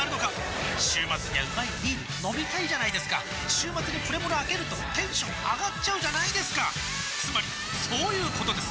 週末にはうまいビール飲みたいじゃないですか週末にプレモルあけるとテンション上がっちゃうじゃないですかつまりそういうことです！